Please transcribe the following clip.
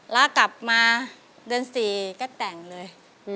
แล้วกลับมาเดือน๔ก็แต่งเลย